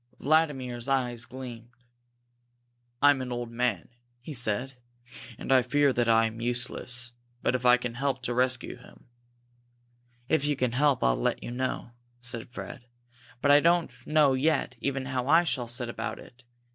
Vladimir's eyes gleamed. "I am an old man," he said, "and I fear that I am useless. But if I can help to rescue him " "If you can help, I'll let you know," said Fred. "But I don't know yet even how I shall set about it.